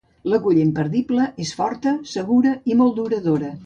L'agulla imperdible és forta, segura i molt duradora.